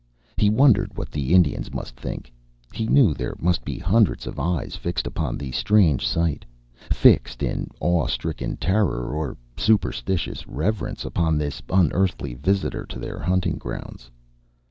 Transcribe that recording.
He wondered what the Indians must think. He knew there must be hundreds of eyes fixed upon the strange sight fixed in awe stricken terror or superstitious reverence upon this unearthly visitor to their hunting grounds.